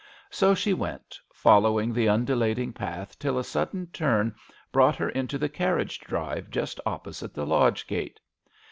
So she went following the undulating Miss awdrey at home. 1S5 path till a sudden turn brought her into the carriage drive just opposite the lodge gate.